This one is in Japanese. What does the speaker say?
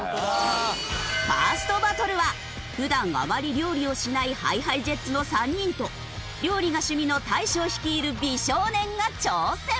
ファーストバトルは普段あまり料理をしないＨｉＨｉＪｅｔｓの３人と料理が趣味の大昇率いる美少年が挑戦。